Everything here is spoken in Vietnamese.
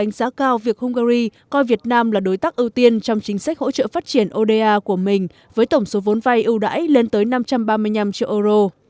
ngoài việt nam là đối tác ưu tiên trong chính sách hỗ trợ phát triển oda của mình với tổng số vốn vay ưu đãi lên tới năm trăm ba mươi năm triệu euro